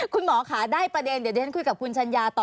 คุณหมอค่ะได้ประเด็นเดี๋ยวที่ฉันคุยกับคุณชัญญาต่อ